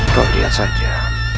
kau lihat saja